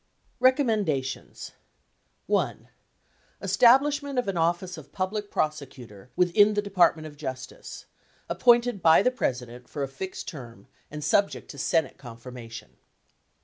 Recommendations I. Establishment of an Office of Public Prosecutor within the Department of Justice, appointed by the President for a fixed term and subject to Senate confirmation.